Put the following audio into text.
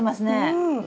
うん！